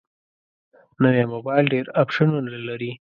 نوی موبایل ډېر اپشنونه لري